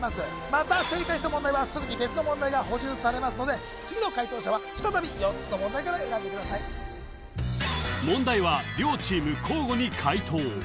また正解した問題はすぐに別の問題が補充されますので次の解答者は再び４つの問題から選んでください問題は両チーム交互に解答